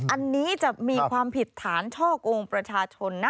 อันนี้จะมีความผิดฐานช่อกงประชาชนนะ